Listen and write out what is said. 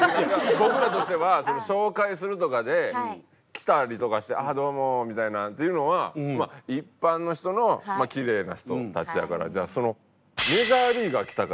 僕らとしては紹介するとかで来たりとかしてあっどうもみたいなっていうのはまあ一般の人のキレイな人たちだからその。来た。